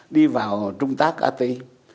đi vào trung tá cá tây